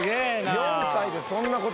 ４歳でそんな言葉。